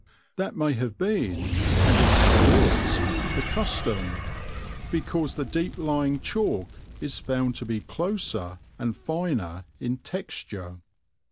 That may have been, and it still is, the custom, because the deep lying chalk is found to be closer and finer in texture.